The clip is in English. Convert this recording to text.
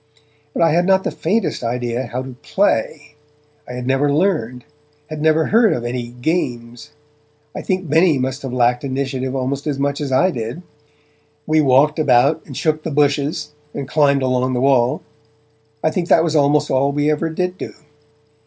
But I had not the faintest idea how to 'play'; I had never learned, had never heard of any 'games'. I think Benny must have lacked initiative almost as much as I did. We walked about, and shook the bushes, and climbed along the wall; I think that was almost all we ever did do.